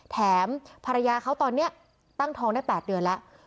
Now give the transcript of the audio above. แถมภรรยาเขาตอนนี้ตั้งท้องได้๘เดือนแล้ว